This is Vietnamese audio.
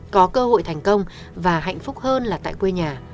có cơ hội thành công và hạnh phúc hơn là tại quê nhà